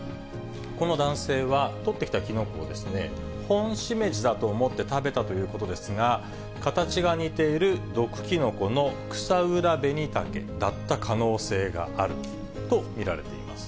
この男性は、採ってきたキノコを、ホンシメジだと思って食べたということですが、形が似ている毒キノコのクサウラベニタケだった可能性があると見られています。